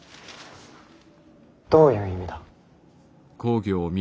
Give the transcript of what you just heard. どういう意味だ。